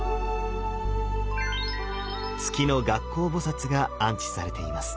月の月光菩が安置されています。